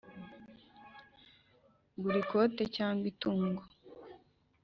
gura ikote cyangwa itungo.